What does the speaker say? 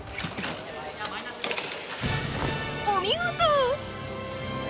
お見事！